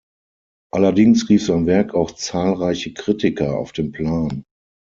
Allerdings rief sein Werk auch zahlreiche Kritiker auf den Plan.